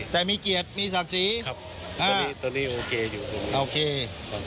แต่มีเกียรติมีศักดิ์ศรีครับตอนนี้โอเคอยู่โอเคครับ